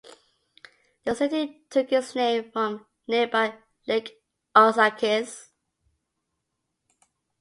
The city took its name from nearby Lake Osakis.